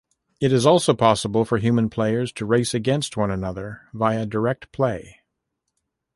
It is also possible for human players to race against one another via DirectPlay.